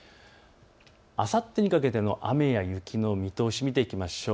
あさってにかけての雨や雪の見通しを見ていきましょう。